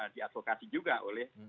diadvokasi juga oleh